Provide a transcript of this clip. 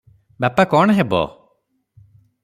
ବାପା କଣ ହେବ?"